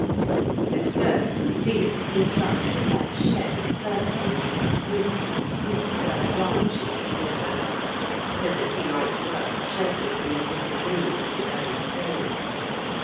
At first Felix constructed a light shed of fir poles roofed with spruce fir branches over the log, so that he might work sheltered from the bitter winds of the early spring.